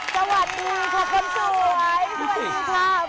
สวัสดีค่ะคนสวยสวัสดีค่ะ